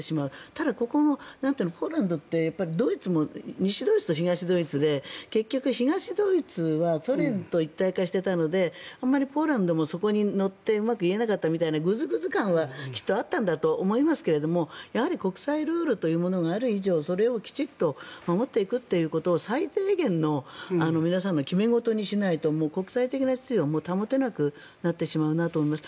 ただ、ここも、ポーランドドイツも西ドイツと東ドイツで結局、東ドイツはソ連と一体化していたのであまりポーランドもそこに乗ってうまく言えなかったというぐずぐず感はきっとあったんだと思いますけどやはり国際ルールというものがある以上それをきちっと守っていくということを最低限の皆さんの決め事にしないと国際的な秩序が保てなくなってしまうなと思います。